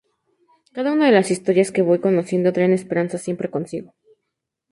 Cada una de las historias que voy conociendo, traen esperanza siempre consigo.